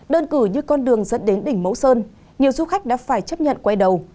đơn cử như con đường dẫn đến đỉnh mẫu sơn nhiều du khách đã phải chấp nhận quay đầu